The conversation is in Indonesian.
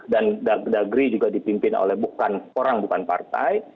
dan negeri juga dipimpin oleh orang bukan partai